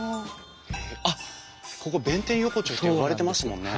あっここ弁天横丁って呼ばれてますもんね。